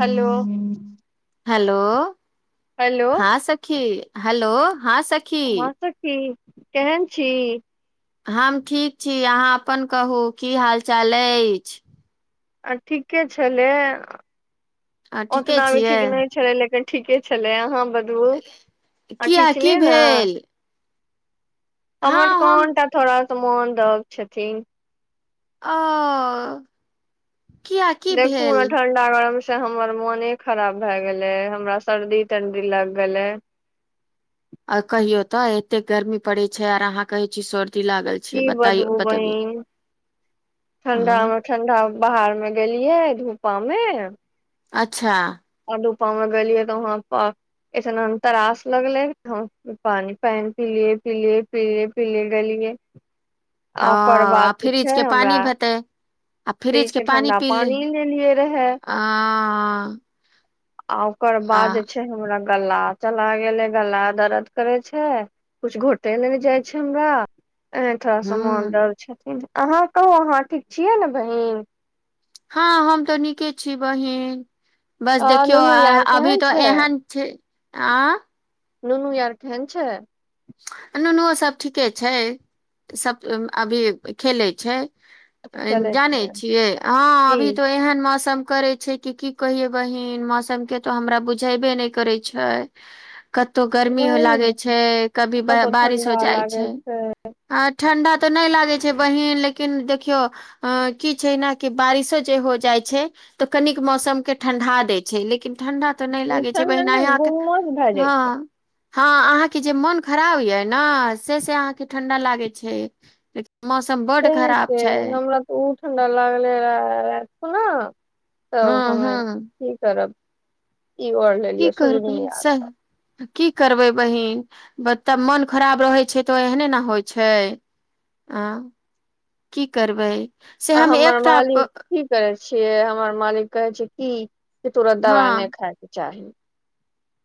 हेल हेलो हँ सखी हेलो हँ सख हँ सखी केहन छ हम ठीक छी अहाँ अपन कहू की हाल चाल अछ आ ठीके छलै आ ठीके ओतना भी छियै ठीक नहि छलै लेकि ठीके छलै अहाँ बदबू अ ठीक किया की छलियै भेल हमर तऽ हँ हम कोनटा थोड़ा सा मोन दक छथि अ किया की देख पूना भेल ठड सडागरम से हमर मोने खराब भए गेले हमरा सर्दी ठण्डी लग गेल आ कहियो तऽ एते गर्मी पड़े छै आर अहा कहे छी सर्दी लागल छ की बदबू बहिन ठण्डा हँ, मेँ ठण्डा बाहरमे गेलियै धूप में अच्छ आधू पामे गेललियै तऽ वहाँ एऐसन त्रास लगले पानि पानि पिए पि पिए पिए गेलिय ओ आ फ्रिज के हमरा पानी भेत आ फ्रिज के पानि ठंडा पी ली पानी लेलियै रहे आ ओकर बाद जे छै हमरा गला चला गेले गला दर्द करे छ कुछ घटे नेने जाइ छै हमर अहे था से थ मान हूँ दर छथिन अहाँ कहू अहाँ ठीक छियै ने बहि हँ हम तऽ नीके छी बहिन बस आ देखियौ नुनू यार अभी केहन तऽ छै एह छ नुनू यार केहन छ नुनुओ सब ठीके छै सभ अभी खेलै छ अच्छा चलै जाने छै छियै हँ की अभी तो एहन मौसम कर की कहियै बहिन मौसम के तऽ हमरा बुझेबे नहि करैछै कतहु गर्मी हो वही लागै ने छै कभी कतौ बारिश ठंडा हो जाइ लागै छ छै आ ठंडा तऽ नहि लागैत छै बहीन लेकिन देखिय अ की छै न कि बारिशो जे हो जाइ छ तऽ कनिक मौसम के ठंडा दैत छै लेकिन ठं्ड तऽ नहि लागै छै ठंडा बहिना ने यहा त गुमस भए ह जाइ छै हँ अहाँ के जे मोन खराब ये ने से से अहाँ के ठंडा लागे छै ले मौसम बड तें खराब से छ हमरा ओ ठंडा लागले रहु ने तब हँ हमे हँ की करब ई वर की लेलियए सुझ न करबै या सह की करबै बहि ब तब मोन खराब रहै छै तऽ एहने ने होइ छै की करबै से आ हम हमर मालिक एकट की करे छियै हमर मालिक कहे छै की तुरत दवाइ नहि खााय के चाह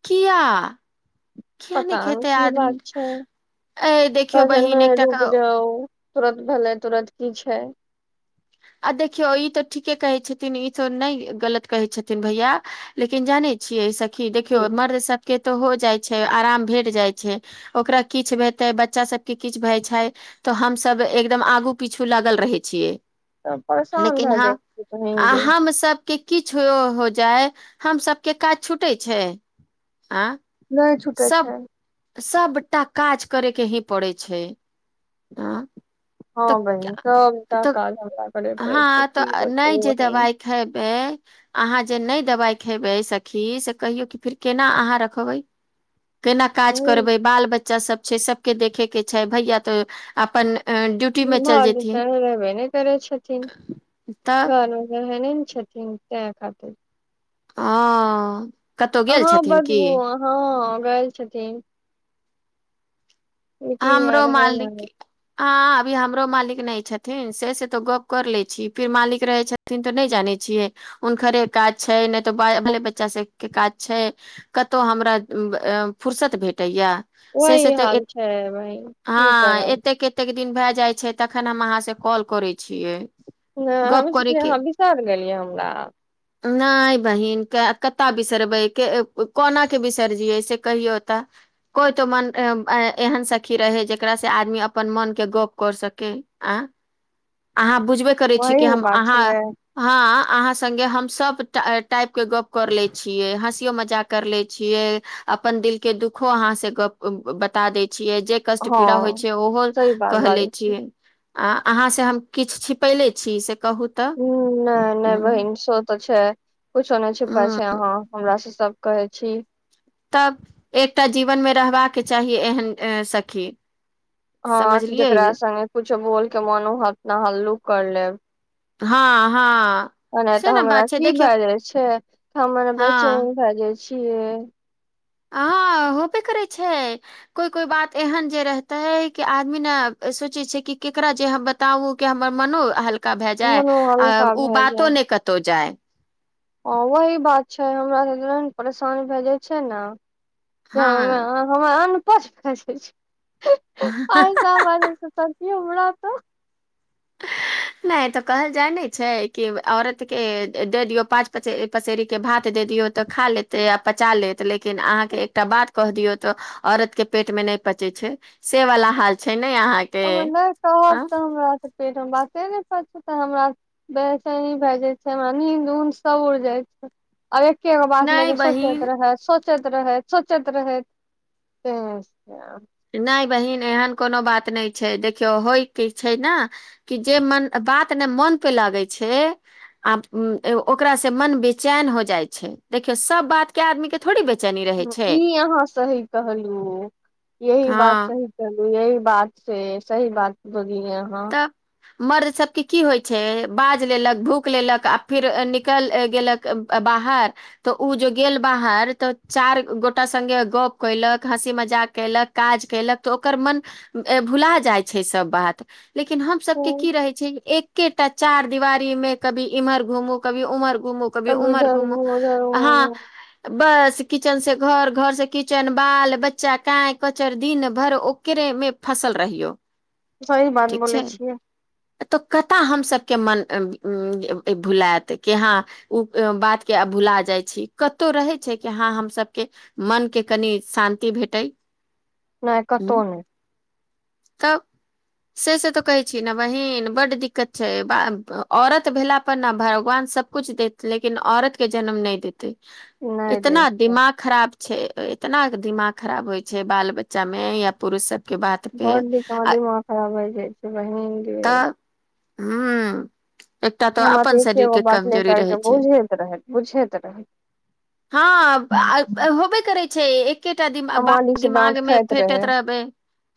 किय पता नहि की बात छै ए देखियौ क बहिन नहि एकटा रुक क- जा तुरत भेलै तुरत की छ आ देखियो ई तऽ ठीके कहे छथिन ई तो नहि गलत कहे छथिन भैया लेकिन जान छियै सखी देखियौ की मर्द सभके तऽ हो जाइ छै आराम भेट जाइत छ ओकरा किछ हेतै बच्चा सबके किछ भय छ तऽ हमसभ एकदम आगू पीछू लागल रहे छिय तऽ परेशान भए जाइ छै कहींग के किछु हो जाय हम सबके काज छूटे छै नहि छुटे छ सब सबटा काज करे के ही पड़ै छै हँ तऽ बहि त त तऽ कल हमरा पड़े छै हँ की तऽ नहि बताउ जे बहिन दवाइ खेब अहाँ जे नहि दवाइ खयबै सखी से कहियौ कि फेर केना अहाँ रखब केना काज बहिन करबै बाल बच्चा सभ छै सभके देखयके छै भैया तऽ अप भर जिन त देबै न करै छथिन तऽ घरमे रहेने ने छथिन तें खाति हँ कतहु गेल अ छथिन की बधबु हाँ ग छथिन मीटिंग आर हमरो रहै मालिक ने हँ अभी हमरो मालिक नहि छथिन से से तो गप कर ले छी फिर मालिक रहे छ लिन तो नहि जानै छियै हुनकरे काज छै नहि तो बाले बच्चा सबके काज छ कतहु हमरा फुुरसत भेटै वहि हाल छै भइ हँ एतेक एतेक दिन भए जाइ छै तखन हम अहाँ से कॉल करै छिय नहि हमे सोचलियै अहाँ विशाल गेलियै हमरा नहि बहिन कतय बिसरबै के कोना के बिसरजियै से कहियौ त कोइ तो मन एहन सखी रहै जेकरासँ आदमी अपन मनके गप कर सक आ अहाँ बुझबे करै छी कि वही ने बात अहाँ छलै ह अहाँ से ह सबटा टाइप के गप कर ले छियै हँसियो मजाक कर ले छिय अपन दिल के दुखो अहाँ से गप बता दय छियै ज कष्ट हँ पीड़ा होइ छै ओहो सही बात कहले बाजै छी छिय अ अहाँ से हम किछ छिपैले छी से कह ह नहि नहि बहिनसो तऽ छै कुछो नहि ह छुपा छै यहाँ हमरा से स कहै छ तब एकटा जीवन मे रहबाके चाही एहन सख हँ जेकरा से कुछो बोल के मोनू हतना हल्लुक कर ले हँ हँ नहि से तऽ ने हमरा बात छै की देखियौ भए जाय छै हमर हँ बचेन भए जाय छै छिये ह होबे करै छै कोइ कोइ बात एहन जे रहते है कि आदमी ने सोचै छै कि केकरा जे ह बताउ के हमर मनो हल्का भए जाय मोनो आ हल्का ओ भए जाय बातो नहि कतौ जाय ह वही बात छै हमरा परेशान भए जाइ छै ने कि हँ हमर अन्नपच फसै छै एहिस बाज तियौरातऽ नहि तऽ कहल जाय ने छै कि औरत के दे दियो पाँच पचेरी के भात दे दिय तऽ खा लेते आ पचा लेत लेकि अहाँके एकटा बात क दियौ तऽ औरत के पेट मे हि पचे छै से वला हाल छै ने अहाँ ओ नहि कहब तऽ हमरा तपेट मे बाते नहि कर छै तऽ हमरा बेहसैनी भए जाइ छै हमरा नीद उऊद सब उड़जाइ छै आब एकेगो बात नहि लेके सोचैत बहिन रहै सोचे सोच रहैत सोचैत रहै नहि बहिन एहन कोनो बात नहि छै देखियौ होयके छै न कि जे मन बात ने मोन पे लगै छ आब ओकरा से मन बेचैन हो जाइ छै देखियौ सबबात के आदमी के थोड़ी बेचनी रहै छ ई अहाँ सही कहलहु यही बात हँ सह चलू यही बात से सही बात बली यहा तऽ मर्द सबके की होइ छै बाज लेलक भूख लेलक आ फिर निकल गेल बाह तऽ ओ जो गेल बाहर तऽ चार गोटा स गप्प कयलक हँसी मजाक कयल काज कयलक तऽ ओकर मन भुला जाइ छै सभ बा लेकिन हम सब के की रहे छै ए के तऽ चार दिवारी मे की इम्हर घूमू कभी उम्हर घूम कभी तब उमर इधर घुम घूम उधर ह घूम बस किचेन से घर घर से किचेन बाल बच्चा काँय कचर दिन भर ओकरे म फसल रहिय सही बात बोलै छिय तऽ कत हमसभके मन भुलायत कि हा ओ बात के भुला जाइ छी कतहु रहै छै कि हँ हमसके मनके कनि शान्ति भेट नहि कतौ नह त से से तऽ कहैत छी ने बहिन बड्ड दिक्कत छै औरत भेला प ने भगवान सभकुछ दे लेकिन औरत के जन्म नहि देतय नहि रे इतना दिमाग खरा छै एतना दिमाग खराब होइ छै बाल बच्चा में या पुरुष स के बात पे बड़ दिमाग खराब होइ जाइ छै बहिन गे तऽ ह एकटा तऽ हमरा अपन शरीर एकेगो के बात ले कमजोरी करके रहै छ बुझैत रहे बुझैत रहे हँ होबे करै छ एकेटा दि आ मालिक से दिमाग डाँट मे खाइत रहे फेटैत रहबै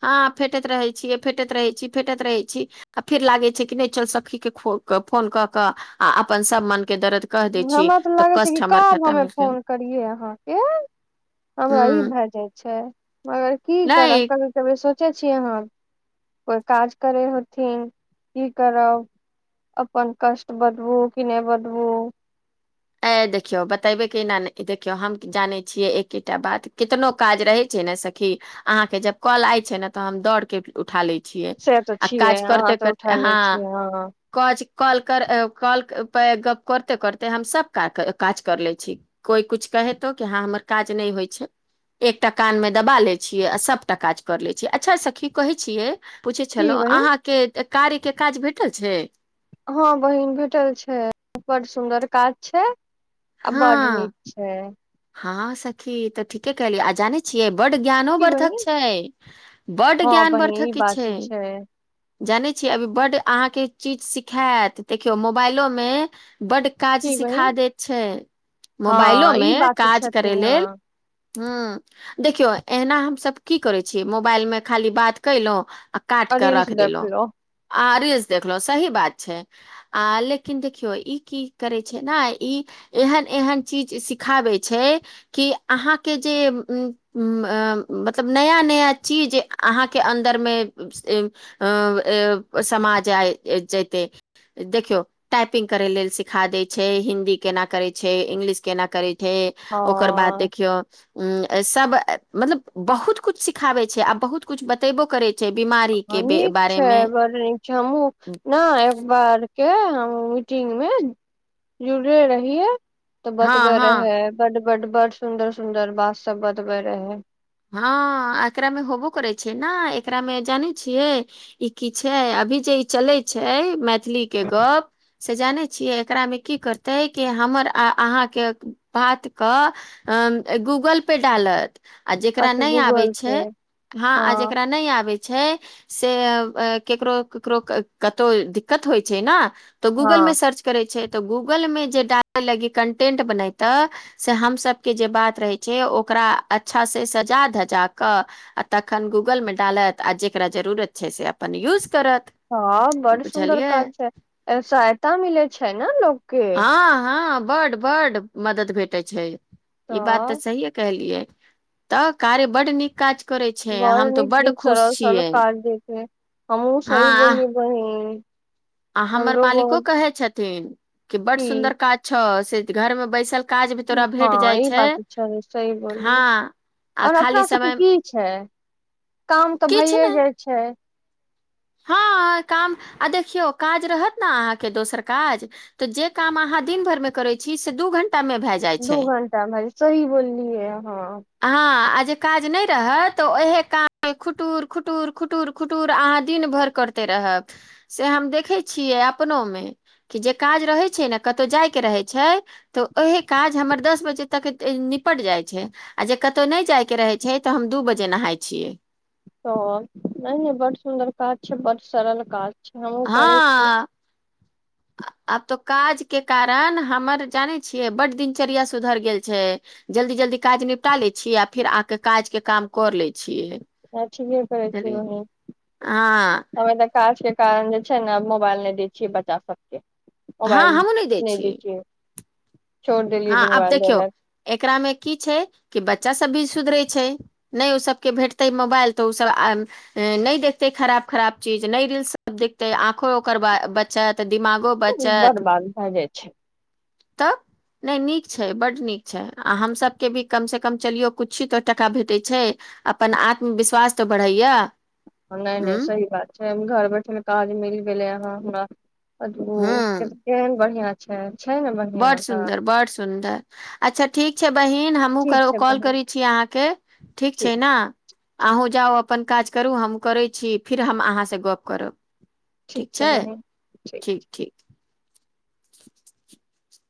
हँ फेटैत रहै छिय फेटैंत रहय छी फेटैंत रहय छ आ फेर लागय छै कि नहि चल सखी के खो फोन कऽ कऽ आ अपन सभ मन के दर हमरा तऽ लागय छै कि कब हमे फोन भेल करियै अहाँक हमरा ई हूँ भए जाइ छै मगर की नहि करब कभी कभी सोचै छियै आहा कोइ काज करै होथिन कि कर अपन कष्ट बदबू कि नहि बदब ए देखियो बतेबे केना देखियो हम जाने छीयै एकेटा बात कितनो काज रह छै ने सखी आहाँ के जब कॉल आय छै ने त हम दौड़ के उठा ले छ छिय से तऽ आ छियै काज अहाँ करते तऽ उठा करते ह ले छियै हँ कज कल कर कॉल प गप करते करते हम स क काज कर लै छी कोइ कुछु कहेतौ कि हँ हमर काज नहि होइ छ एकटा कान में दबा लै छियै आ सबटा काज कर ले छियै अच्छा सखी कहय छिय पूछै की छलहुं बहिन अहाँके कार्यके काज भेटल छ हॅं बहिन भेटल छै बड सुदर काज छै आ बड नी हँ छ हँ सखी तऽ ठीके कहली आजान छियै बड ज्ञानो की बहिन वर्धक छै बड हँ ज्ञान बहिन ई वर्धक बात छ तऽ छै जानै छियै अभी बड आहाँके चीज सिखायत देखियौ मोबाइलो मे ब काज की सिखा बहिन दैत छै मोबाईलो हँ ई में बात तऽ काज करय छथिन ले हँ ह्म देखियौ एना हमसभ की करै छियै मोबाइल मे खाली बात क‌यलौ आ काट क रील्स रख देलो देखलो आ रीलस देखलो सही बात छ आ लेकिन देखियौ ई की करै छै ने एहन एहन चीज सिखाबै छ कि आहाँके जे उ मतलब नया नया ची आहाँके अन्दर मे अ समाज आ जेत देखिय टाइपिंग करय लेल सिखा दैत छै हिन्दी केना करैत छै इंग्लिश केना करैत हँ छ ओकर बाद देखिय उ सब मतलब बहुत कुछ सिखाबे छै आ बहुत कुछ बतेबो कर जे बीमारी के हँ, ब नीक छै बड़ नीक छै हमहुँ ने एक बार के हम मीटिंग म जुड़े रहि तऽ हँ बतबय रहै हँ बड बड बडड सुंदर सुंदर बात सभ बतबय रह हँ एकरा मे होबो करै छै ने एकरा मे जानै छिय ई की छै अभी जे ई चलै छै मैथिलीके गप् से जानै छियै एकरा मे की करतै कि हमर आहाँके बातक अ गूगल पे डाल आ जेकरा अच्छा न आबे गूगल छै पे हा आ हँ जेकरा न आबेछै छै से ककरो ककरो कतहु दिक्कत होइ छै न तऽ गूगलमे हँ सर्च करय छै तऽ गूगलमे जे डालै लागि कन्टेन्ट बनेत से हमसभके जे बात रहैत छै ओकरा अच्छा सँ सजा धजा क आ तखन गूगलमे डालत आ जकरा जरूरत छै से अपन यूज कर हँ बड सुन्दर काज छै सहायता मिले छै ने लोकके हँ हँ बड बड मदद भेटै छै ई बात तऽ सहिए कहलिय तऽ कार्य बड नीक का बड़ नीक नीक सरल सरल काज दय छै हमहुं हँ सही बोललि बहि आ हमर मालिको कहय छथिन कि बड की सुन्दर काज छ से घर में बैस काज भी तोरा भेट हँ जाइ ई छै ह आओर अपनासभके की छै काम तऽ किछु भइए नहि जाइछै हँ काम आ देखियौ काज रहत ने आहाँके दोसरकाज तऽ जे काम अहाँ दिन भर मे करै छी से दू घंटा मे भए जा दू घंटा भरिसरि बोलिलयै अहा हँ आ जे काज नहि रहत त ओएहे काज मे खुटुर खुटुर खुटु खुटुर आहाँ दिन भर करते रहब से हम देखै छियै अपनमे कि जे काज रहे छै ने कतौ जायके रहे छ तऽ ओहे काज हमर दस बजे तक निपट जाइ छ आ जे कतहु नहि जाइके रहै छै तऽ हम दू बजे नहाय छिय त नहि बड सुन्दर काज छै बड सरल का ह आ आब तो काज के कारण हमर जाने छियै बड दिनचर्या सुधरि गेल छ जल्दी जल्दी काज निपटा लै छी आ फेर आके काज के काम कर लै छिय अ ठीके कर छी बही हँ हमे तऽ काज के कारण जे छै ने मोबाईल नहि दै छियै बच्चा सबक हँ मोबाइल हमहुँ दै नहि छियै दीजि हँ आब देखियौ एकरा मे की छै कि बच्चा सब भी सुधरे छ नहि ओसभके भेटतै मोबाइल तऽ ओसभ आ म नहि देखतै खराब खराब चीज नहि रील्स सब देखतै आँखो ओकर ब बचत दिमाग बर्बाद भए जाइ छ नय नीक छै बड नीक छै आ हमसभके भी कमसँ कम चलियौ किछू त टका भेटैत छ अपन आत्मविश्वास तऽ बढ़ै नहि नहि सही बात छै घर बैठेमे काज मिल गेलै हाँ हमर अ ह केहन बढ़िया छै छै ने बड बढ़िआँ तऽ सुन्दर बड सुन्दर अच्छ ठीक छै बहिन हमहूँ क ठीक छै कॉल बहिन करैत छी अहाँके ठीक छै न छै अहूँ जाउ अपन काज करू हम करै छी फिर हम आहाँ सँ गप्प कर ठीक छै ठीक ठी